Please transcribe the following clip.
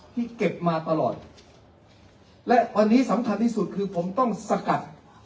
ที่เก็บมาตลอดและวันนี้สำคัญที่สุดคือผมต้องสกัด